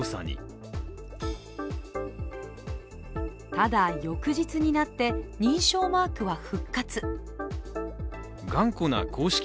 ただ、翌日になって、認証マークは復活。